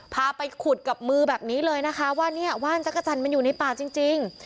พาไปขุดกับมือแบบนี้เลยนะคะว่าเนี่ยว่านจักรจันทร์มันอยู่ในป่าจริง